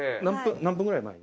何分くらい前に？